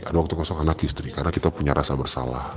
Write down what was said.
ada waktu kosong anak istri karena kita punya rasa bersalah